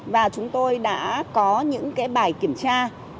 và chúng tôi đã có những bài kiểm tra